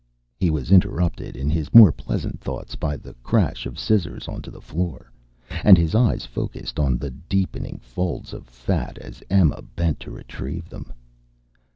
He was interrupted in his more pleasant thoughts by the crash of scissors onto the floor, and his eyes focussed on the deepening folds of fat as Emma bent to retrieve them.